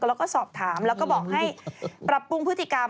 แล้วก็สอบถามแล้วก็บอกให้ปรับปรุงพฤติกรรม